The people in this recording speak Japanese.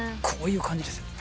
こういう感じです。